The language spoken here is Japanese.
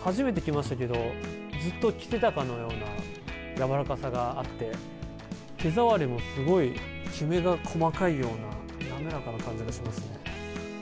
初めて着ましたけどずっと着ていたかのようなやわらかさがあって手触りもすごいきめが細かいような滑らかな感じがしますね。